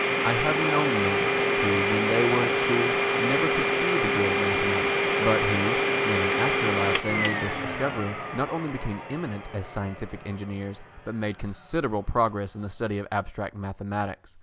I have known men, who when they were at school, never could see the good of mathematics, but who, when in after life they made this discovery, not only became eminent as scientific engineers, but made considerable progress in the study of abstract mathematics.